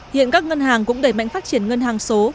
hiện các ngân hàng cũng đẩy mạnh phát triển ngân hàng số